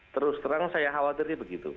terus terang saya khawatirnya begitu